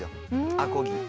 アコギ。